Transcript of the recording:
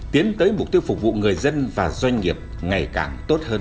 tiến tới mục tiêu phục vụ người dân và doanh nghiệp ngày càng tốt hơn